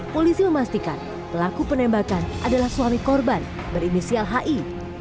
polisi memastikan pelaku penembakan adalah suami korban berinisial hi